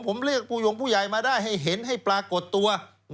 ผมเรียกผู้ยงผู้ใหญ่มาได้ให้เห็นให้ปรากฏตัว